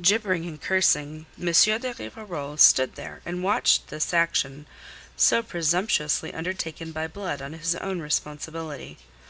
Gibbering and cursing, M. de Rivarol stood there and watched this action, so presumptuously undertaken by Blood on his own responsibility.